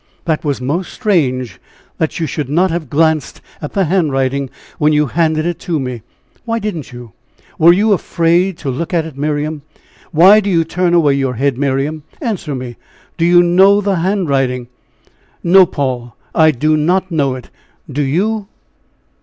"That was most strange that you should not have glanced at the handwriting when you handed it to me. Why didn't you? Were you afraid to look at it? Miram! why do you turn away your head? Miriam! answer me do you know the handwriting?" "No, Paul, I do not know it do you?"